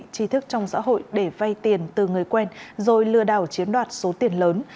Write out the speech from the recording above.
trí thức trong xã hội để vay tiền từ người quen rồi lừa đảo chiếm đoạt số tiền lớn